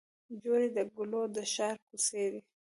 جوړې د ګلو د ښار کوڅې دي